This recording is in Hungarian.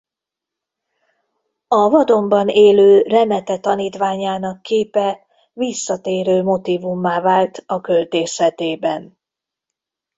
A vadonban élő remete tanítványának képe visszatérő motívummá vált a költészetében.